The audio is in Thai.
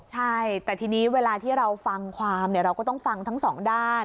ใช่แต่ทีนี้เวลาที่เราฟังความเราก็ต้องฟังทั้งสองด้าน